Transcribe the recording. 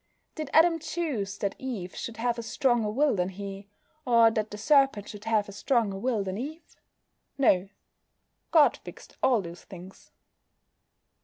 Did Adam choose that Eve should have a stronger will than he, or that the Serpent should have a stronger will than Eve? No. God fixed all those things.